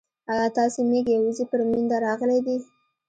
ايا ستاسي ميږي او وزې پر مينده راغلې دي